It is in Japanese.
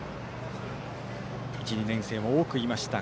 １、２年生も多くいました